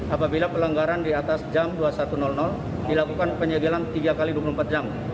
apabila pelanggaran di atas jam dua puluh satu